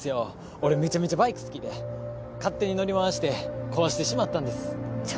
俺めちゃめちゃバイク好きで勝手に乗り回して壊してしまったんですちょ